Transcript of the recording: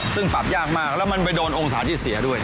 ซึ่งปรับยากมากแล้วมันไปโดนองศาที่เสียด้วย